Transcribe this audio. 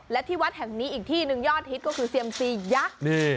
และที่วัดแห่งนี้อีกที่หนึ่งยอดฮิตก็คือเซียมซียักษ์